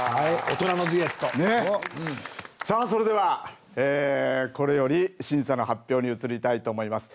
さあそれではこれより審査の発表に移りたいと思います。